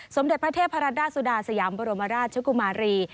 สมเด็จพระเทพรัดดาสุดาสยามบรมราชกุมารี